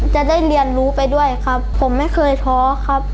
จะได้เรียนรู้ไปด้วยครับผมไม่เคยท้อครับ